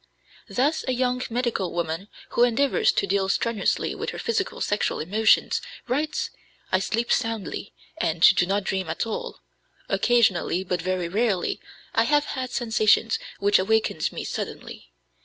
Thus, a young medical woman who endeavors to deal strenuously with her physical sexual emotions writes: "I sleep soundly, and do not dream at all. Occasionally, but very rarely, I have had sensations which awakened me suddenly.